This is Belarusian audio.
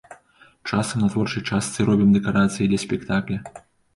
Часам на творчай частцы робім дэкарацыі для спектакля.